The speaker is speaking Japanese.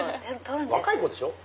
若い子でしょ？